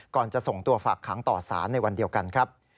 จะส่งตัวฝากขังต่อสารในวันเดียวกันครับ